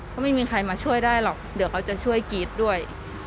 ก็ไม่มีใครมาช่วยได้หรอกเดี๋ยวเขาจะช่วยกรี๊ดด้วย